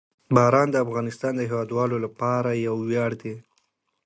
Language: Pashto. باران د افغانستان د هیوادوالو لپاره یو ویاړ دی.